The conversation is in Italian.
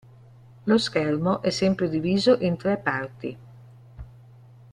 Lo schermo è sempre diviso in tre parti.